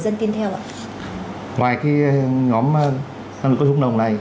dân tin theo ạ ngoài cái nhóm